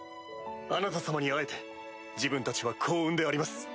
あなた様に会えて自分たちは幸運であります。